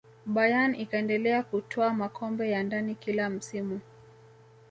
bayern ikaendelea kutwaa makombe ya ndani kila msimu